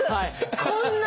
こんな！